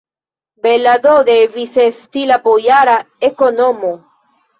Bela do devis esti la bojara ekonomo!